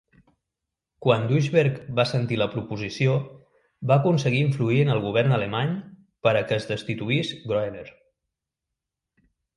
Quan Duisberg va sentir la proposició, va aconseguir influir en el govern alemany per a que es destituís Groener.